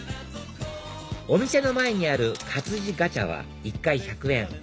お店の前にある活字ガチャは１回１００円